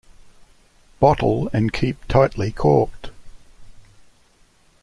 Bottle and keep tightly corked.